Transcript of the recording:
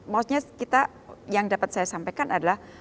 maksudnya kita yang dapat saya sampaikan adalah